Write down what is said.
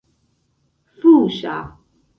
fuŝa